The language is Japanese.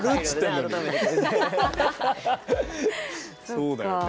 そうだよね。